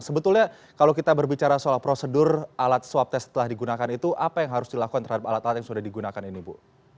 sebetulnya kalau kita berbicara soal prosedur alat swab test telah digunakan itu apa yang harus dilakukan terhadap alat alat yang sudah digunakan ini bu